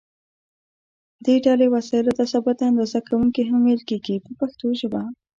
دې ډلې وسایلو ته ثابته اندازه کوونکي هم ویل کېږي په پښتو ژبه.